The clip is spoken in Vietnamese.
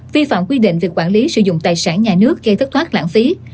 vi phạm quy định về quản lý sử dụng tài sản nhà nước gây thất thoát lãng phí